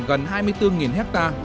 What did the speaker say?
gần hai mươi bốn hectare